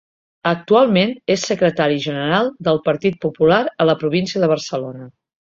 Actualment és secretari general del Partit Popular a la província de Barcelona.